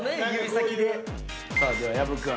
さあでは薮君。